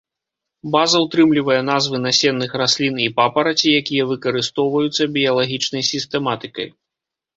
База ўтрымлівае назвы насенных раслін і папараці, якія выкарыстоўваюцца біялагічнай сістэматыкай.